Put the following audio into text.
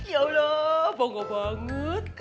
ya allah bangga banget